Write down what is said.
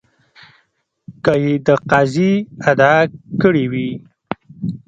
که یې د قاضي ادعا کړې وي.